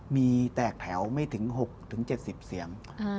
มีแตกแถวไม่ถึง๖๗๐เสียง